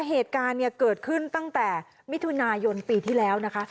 เหตุการณ์เนี่ยเกิดขึ้นตั้งแต่มิถุนายนปีที่แล้วนะคะ